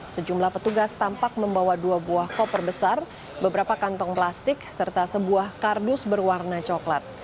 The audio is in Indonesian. sejumlah petugas tampak membawa dua buah koper besar beberapa kantong plastik serta sebuah kardus berwarna coklat